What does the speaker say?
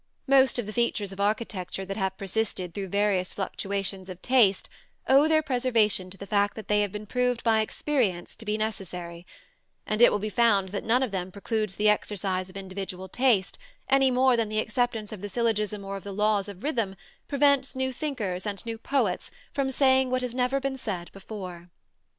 Most of the features of architecture that have persisted through various fluctuations of taste owe their preservation to the fact that they have been proved by experience to be necessary; and it will be found that none of them precludes the exercise of individual taste, any more than the acceptance of the syllogism or of the laws of rhythm prevents new thinkers and new poets from saying what has never been said before.